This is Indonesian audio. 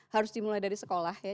harus dimulai dari sekolah ya